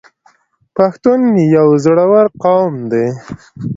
پښتون یو زړور قوم دی.